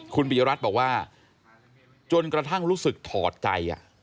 คุณปียรัฐบอกว่าจนกระทั่งรู้สึกถอดใจ